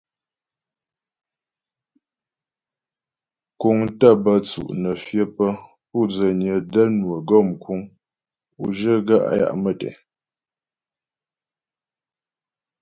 Kúŋ tə́ bə́ tsʉ' nə́ fyə pə́ pu' dzənyə də́ nwə gɔ mkuŋ o zhyə gaə́ á ya' mətɛ.